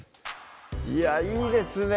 いやいいですね